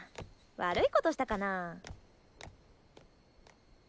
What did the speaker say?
悪いことしたかな。